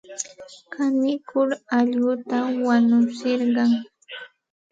Kanikuq allquta wanutsirqan.